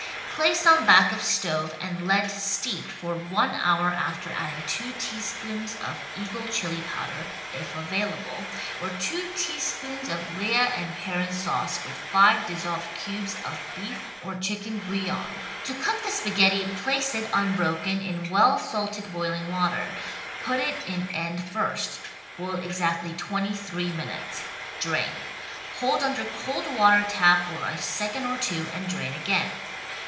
Place on back of stove and let steep for one hour after adding two teaspoons of Eagle Chili Powder (if available) [ii8] WRITTEN FOR MEN BY MEN or two teaspoons of Lea & Perrins sauce with five dis solved cubes of beef or chicken bouillon. To cook the spaghetti, place it, unbroken, in well salted boiling water. Put it in end first. Boil exactly twenty three minutes. Drain. Hold under cold water tap for a second or two and drain again.